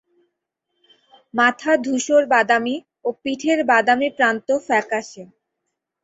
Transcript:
মাথা ধূসর-বাদামী ও পিঠের বাদামি প্রান্ত ফ্যাকাসে।